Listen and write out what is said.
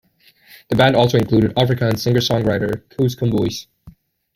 The band also included the Afrikaans singer-songwriter Koos Kombuis.